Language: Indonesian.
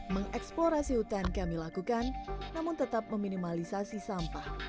mengeksplorasi hutan kami lakukan namun tetap meminimalisasi sampah